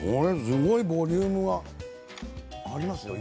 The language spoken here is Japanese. すごいボリュームがありますよ。